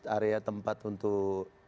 area tempat untuk